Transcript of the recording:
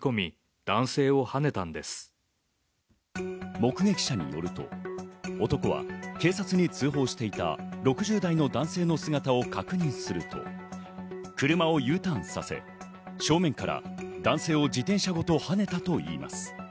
目撃者によると、男は警察に通報していた６０代の男性の姿を確認すると、車をＵターンさせ、正面から男性を自転車ごとはねたといいます。